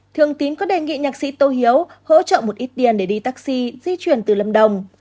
thường tín có đề nghị nhạc sĩ tô hiếu hỗ trợ một ít tiền để đi taxi di chuyển từ lâm đồng